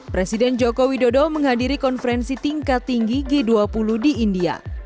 presiden joko widodo menghadiri konferensi tingkat tinggi g dua puluh di india